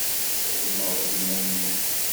Qeddmeɣ-d iman-inu.